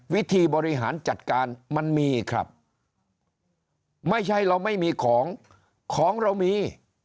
วิธีบริหารจัดการมันมีครับไม่ใช่เราไม่มีของของเรามี